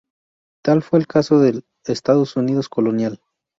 Tal fue el caso, del Estados Unidos colonial.